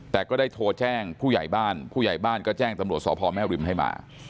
แต่ก็ได้โทรแจ้งผู้ใหญ่บ้านผู้ใหญ่บ้านก็แจ้งตำรวจสพแม่ริมให้มา